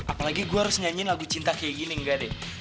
apalagi gue harus nyanyiin lagu cinta kayak gini enggak deh